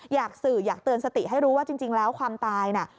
อยากสื่ออยากเตือนสติให้รู้ว่าจริงแล้วความตายน่ะ